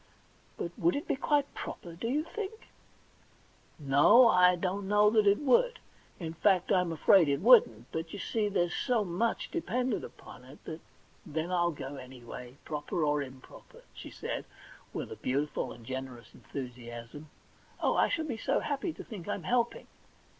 But — would it be quite proper, do you think ?'* No, I don't know that it would ; in fact, I'm afraid it wouldn't; but, you see, there's so much dependent upon it that '* Then I'll go anyway, proper or improper,' she said, with a beautiful and generous enthusiasm. * Oh, I shall be so happy to think I'm helping.'